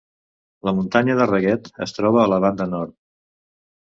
La muntanya de Ragged es troba a la banda nord.